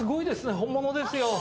本物ですよ。